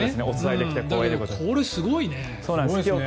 でも、これすごいね。